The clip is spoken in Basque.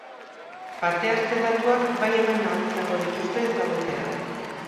Parte hartze datuak bai eman ahal izango dituzte ezagutzera.